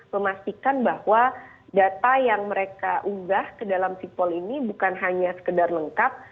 memastikan bahwa data yang mereka unggah ke dalam sipol ini bukan hanya sekedar lengkap